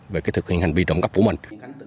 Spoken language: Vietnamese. về cái thực hiện hành vi trộm cắp của mình